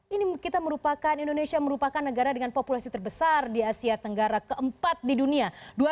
ini kita merupakan indonesia merupakan negara dengan populasi terbesar di asia tenggara keempat di dunia